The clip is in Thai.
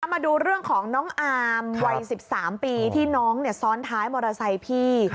มาดูเรื่องของน้องอามวัย๑๓ปีที่น้องซ้อนท้ายมอเตอร์ไซค์พี่